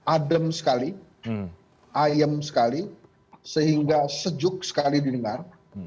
adem sekali ayem sekali sehingga sejuk sekali didengar